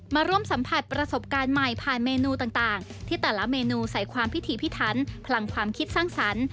มาร่วมสัมผัสประสบการณ์ใหม่ผ่านเมนูต่างที่แต่ละเมนูใส่ความพิถีพิถันพลังความคิดสร้างสรรค์